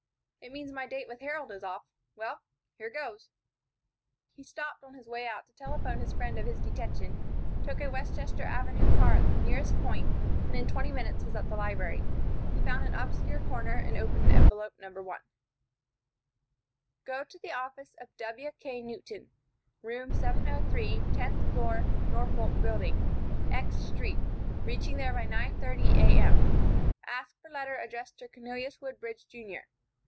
It means my date with Harold is off. Well, here goes!" He stopped on his way out to telephone his friend of his detention, took a Westchester Avenue car at the nearest point, and in twenty minutes was at the library. He found an obscure corner and opened envelope No. 1. "Go to office of W.K. Newton, room 703, tenth floor, Norfolk Building, X Street, reaching there by 9:30 A.M. Ask for letter addressed to Cornelius Woodbridge, Jr.